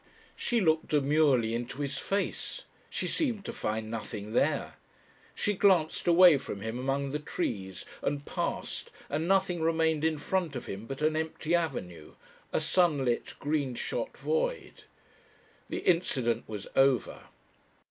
She looked demurely into his face. She seemed to find nothing there. She glanced away from him among the trees, and passed, and nothing remained in front of him but an empty avenue, a sunlit, green shot void. The incident was over.